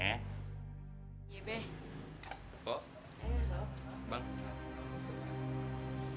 beh ya saya bilang suka lu ya